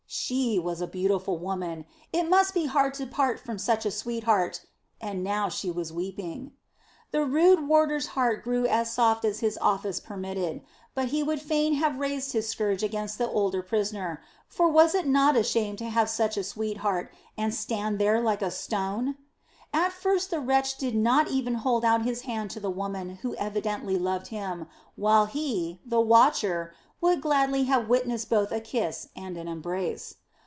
She was a beautiful woman! It must be hard to part from such a sweetheart. And now she was weeping. The rude warder's heart grew as soft as his office permitted; but he would fain have raised his scourge against the older prisoner; for was it not a shame to have such a sweetheart and stand there like a stone? At first the wretch did not even hold out his hand to the woman who evidently loved him, while he, the watcher, would gladly have witnessed both a kiss and an embrace.